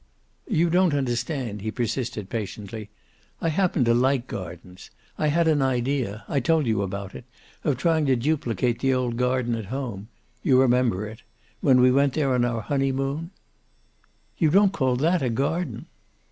"You don't understand," he persisted patiently. "I happen to like gardens. I had an idea I told you about it of trying to duplicate the old garden at home. You remember it. When we went there on our honeymoon " "You don't call that a garden?"